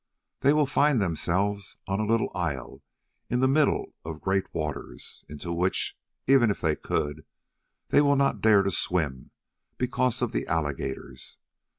They will find themselves on a little isle in the middle of great waters, into which, even if they could, they will not dare to swim because of the alligators.